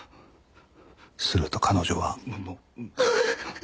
すると彼女は。